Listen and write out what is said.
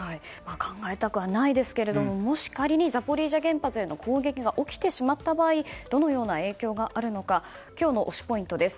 考えたくはないですが、もし仮にザポリージャ原発への攻撃が起きてしまった場合どのような影響があるのか今日の推しポイントです。